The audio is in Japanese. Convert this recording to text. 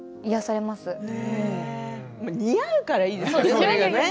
似合うからいいですよね。